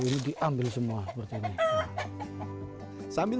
ini diambil semua seperti ini sambil